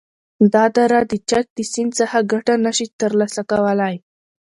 دا دره د چک د سیند څخه گټه نشی تر لاسه کولای،